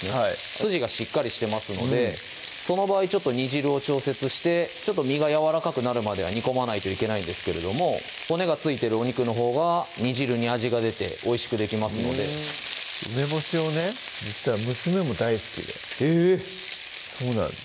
筋がしっかりしてますのでその場合ちょっと煮汁を調節して身がやわらかくなるまでは煮込まないといけないんですけど骨が付いてるお肉のほうが煮汁に味が出ておいしくできますので梅干しをね実は娘も大好きでえぇ⁉そうなんです